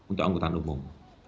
untuk angkutan umum